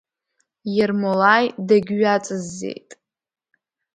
Ермолаи дагьҩаҵыззеит.